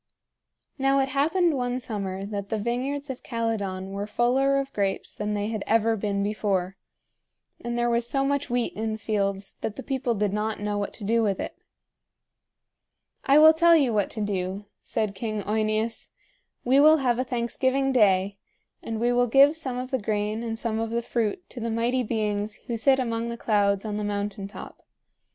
Now it happened one summer that the vineyards of Calydon were fuller of grapes than they had ever been before, and there was so much wheat in the fields that the people did not know what to do with it. "I will tell you what to do," said King OEneus. "We will have a thanksgiving day, and we will give some of the grain and some of the fruit to the Mighty Beings who sit among the clouds on the mountain top.